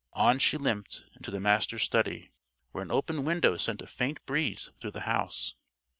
On she limped, into the Master's study, where an open window sent a faint breeze through the house.